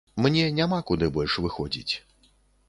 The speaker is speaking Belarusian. Мне няма куды больш выходзіць.